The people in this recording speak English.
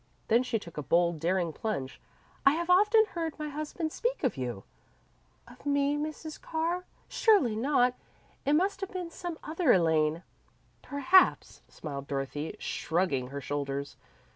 Then she took a bold, daring plunge. "I have often heard my husband speak of you." "Of me, Mrs. Carr? Surely not! It must have been some other Elaine." "Perhaps," smiled Dorothy, shrugging her shoulders.